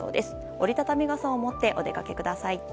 折り畳み傘を持ってお出かけください。